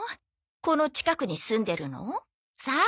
この近くに住んでるの？